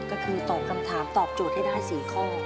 ก็คือตอบคำถามตอบโจทย์ให้ได้๔ข้อ